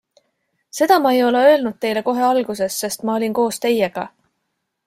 Seda ma ei ole öelnud teile kohe alguses, sest ma olin koos teiega.